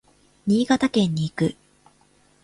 新潟県に行く。